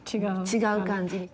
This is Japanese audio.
違う感じに。